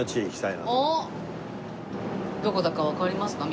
どこだかわかりますか？